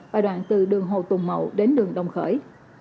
và đoạn từ đường hồ tùng mậu đến đường đồng khởi